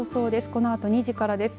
このあと２時からです。